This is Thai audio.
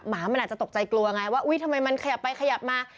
หมามันอาจจะตกใจกลัวไงว่าอุ๊ยทำไมมันขยับไปขยับมา